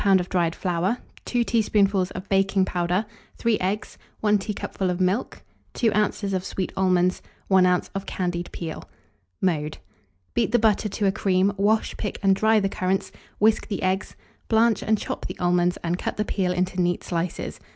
of dried flour, 2 teaspoonfuls of baking powder, 3 eggs, 1 teacupful of milk, 2 oz. of sweet almonds, 1 oz. of candied peel. Mode. Beat the butter to a cream; wash, pick, and dry the currants; whisk the eggs; blanch and chop the almonds, and cut the peel into neat slices.